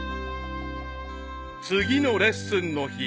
［次のレッスンの日］